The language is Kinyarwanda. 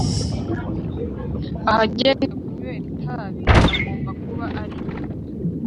Ahagenewe kunywera itabi hagomba kuba ari